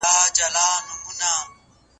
ولي مدام هڅاند د پوه سړي په پرتله ژر بریالی کېږي؟